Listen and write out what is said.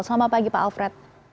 selamat pagi pak alfred